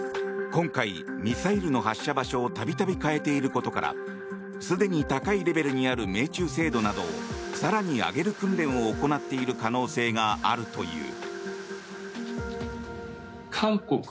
今回、ミサイルの発射場所を度々変えていることからすでに高いレベルにある命中精度などを更に上げる訓練を行っている可能性があるという。